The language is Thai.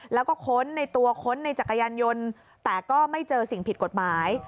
แล้วก็ค้นในตัวค้นในจักรยานยนต์แต่ก็ไม่เจอสิ่งผิดกฎหมาย